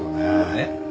えっ？